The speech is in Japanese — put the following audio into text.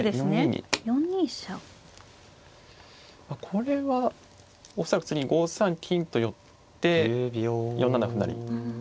これは恐らく次に５三金と寄って４七歩成。